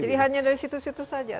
jadi hanya dari situ situ saja